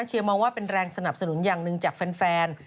เชียร์มองว่าเป็นแรงสนับสนุนอย่างหนึ่งจากแฟน